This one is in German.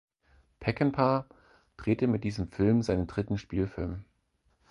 Peckinpah drehte mit diesem Film seinen dritten Spielfilm.